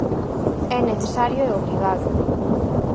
É necesario e obrigado.